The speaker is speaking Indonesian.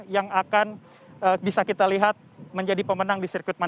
yang akan menang